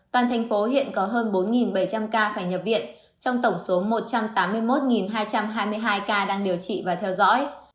toàn thành phố hiện có hơn bốn bảy trăm linh ca phải nhập viện trong tổng số một trăm tám mươi một hai trăm hai mươi hai ca đang điều trị và theo dõi